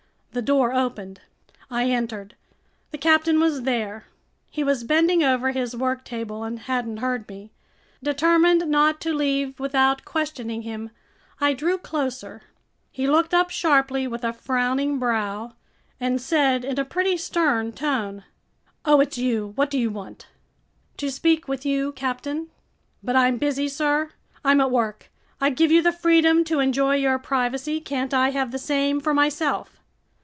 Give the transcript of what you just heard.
The door opened. I entered. The captain was there. He was bending over his worktable and hadn't heard me. Determined not to leave without questioning him, I drew closer. He looked up sharply, with a frowning brow, and said in a pretty stern tone: "Oh, it's you! What do you want?" "To speak with you, captain." "But I'm busy, sir, I'm at work. I give you the freedom to enjoy your privacy, can't I have the same for myself?"